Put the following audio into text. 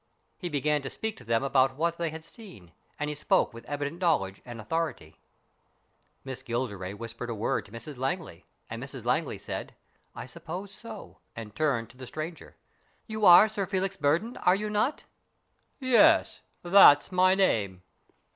He began to speak to them about what they had seen, and he spoke with evident knowledge and authority. Miss Gilderay whispered a word to Mrs Langley, and Mrs Langley said, " I suppose so," and turned to the stranger :" You are Sir Felix Burden, are you not ?"" Yes, that's my name."